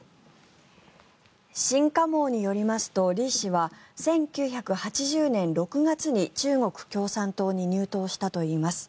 新華網によりますとリ氏は１９８０年６月に中国共産党に入党したといいます。